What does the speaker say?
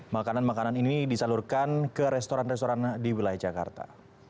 makanan makanan ini disalurkan ke restoran restoran di wilayah jakarta